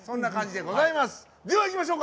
ではいきましょうか。